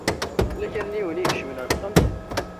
Yella kra n yiwen i ikecmen ar texxamt.